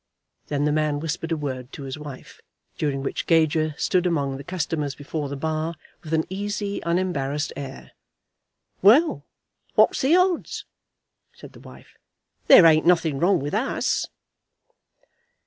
Then the man whispered a word to his wife, during which Gager stood among the customers before the bar with an easy, unembarrassed air. "Well, what's the odds?" said the wife. "There ain't anything wrong with us."